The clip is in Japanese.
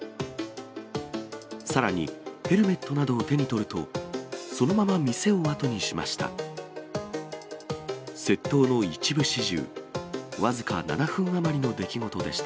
さらに、ヘルメットなどを手に取ると、そのまま店を後にしました。